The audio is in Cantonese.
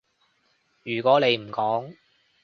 如果你唔講